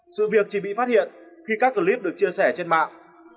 sự việc chỉ bị phát hiện khi các clip được chia sẻ trên mạng